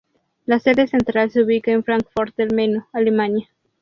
La sede central se ubica en Fráncfort del Meno, Alemania.